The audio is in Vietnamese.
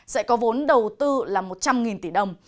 sẽ có vốn đầu tư là một trăm linh tỷ đồng